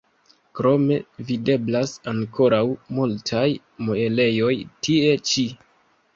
Krome videblas ankoraŭ multaj muelejoj tie ĉi.